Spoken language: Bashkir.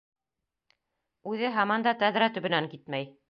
Үҙе һаман да тәҙрә төбөнән китмәй.